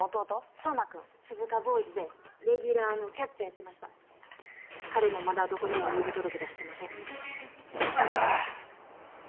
壮磨君鈴鹿ボーイズでレギュラーのキャッチャーやってました彼もまだどこにも入部届出してません